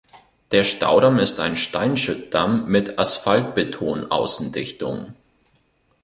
Der Staudamm ist ein Steinschüttdamm mit Asphaltbeton-Außendichtung.